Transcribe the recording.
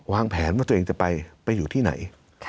วางแผนว่าตัวเองจะไปไปอยู่ที่ไหน